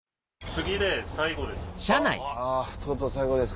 次で最後です。